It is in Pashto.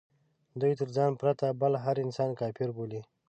دوی تر ځان پرته بل هر انسان کافر بولي.